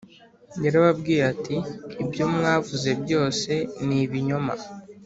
yarababwiye ati ibyo mwavuze byose ni ibinyoma